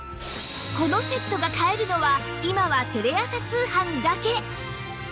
このセットが買えるのは今はテレ朝通販だけ！